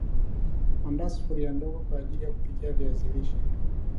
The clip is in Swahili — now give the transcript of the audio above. andaa Sufuria dogo kwaajili ya kupikia viazi lishe